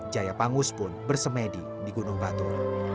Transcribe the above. jaya pangus pun bersemedi di gunung batur